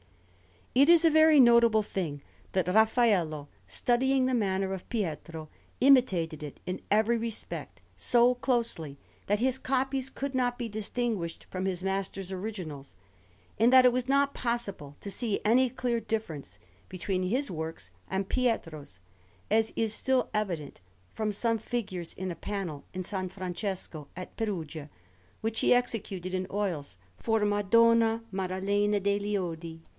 It is a very notable thing that Raffaello, studying the manner of Pietro, imitated it in every respect so closely, that his copies could not be distinguished from his master's originals, and it was not possible to see any clear difference between his works and Pietro's; as is still evident from some figures in a panel in S. Francesco at Perugia, which he executed in oils for Madonna Maddalena degli Oddi.